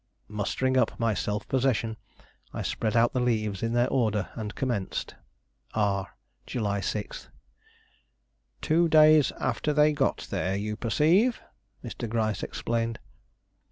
Mustering up my self possession, I spread out the leaves in their order and commenced: "R , July 6, " "Two days after they got there, you perceive," Mr. Gryce explained.